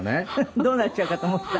どうなっちゃうかと思った？